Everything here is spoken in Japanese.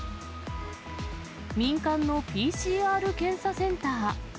民間のＰＣＲ検査センター。